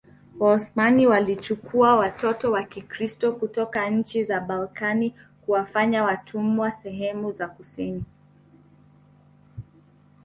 Waosmani walichukua watoto wa Kikristo kutoka nchi za Balkani kuwafanya watumwa sehemu za kusini